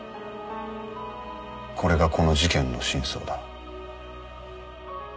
これがこの事件の真相だ